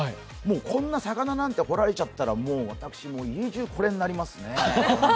こんな魚なんて掘られちゃったら、家じゅうこれになりますね。